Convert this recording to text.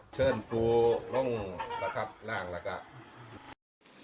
เชิญตัวลงละครับร่างละครับ